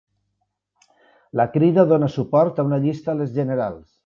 La Crida dona suport a una llista a les generals